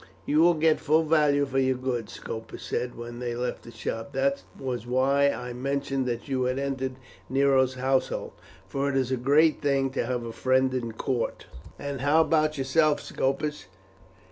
"You will get full value for your goods," Scopus said when they left the shop "that was why I mentioned that you had entered Nero's household, for it is a great thing to have a friend at court." "And how about yourself, Scopus?